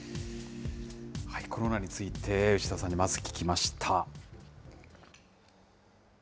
コロナについて、牛田さんに、まず聞きました。